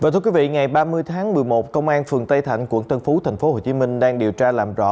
thưa quý vị ngày ba mươi tháng một mươi một công an phường tây thạnh quận tân phú tp hcm đang điều tra làm rõ